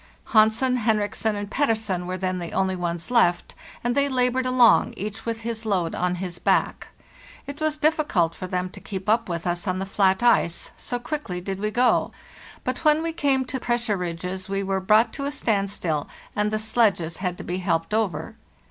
Hansen, Henriksen, and Pettersen were then the only ones left, and they labored along, each with his load on his back. It was difficult for them to keep up with us on the flat ice, so quickly did we go; but when we came to pressure ridges we were g brought to a standstill and the sledges had to be helped over.